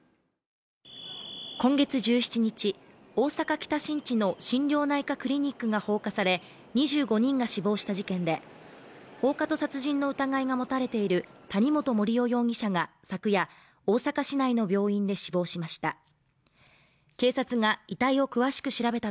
今月１７日、大阪・北新地の心療内科クリニックが放火され２５人が死亡した事件で放火と殺人の疑いが持たれている谷本盛雄容疑者が昨夜、大阪市内の病院で死亡しました。